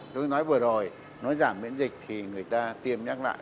tôi nói vừa rồi nói giảm miễn dịch thì người ta tiêm nhắc lại